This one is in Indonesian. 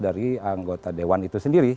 dari anggota dewan itu sendiri